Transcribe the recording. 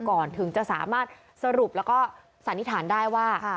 ก่อนถึงจะสามารถสรุปแล้วก็สันนิษฐานได้ว่า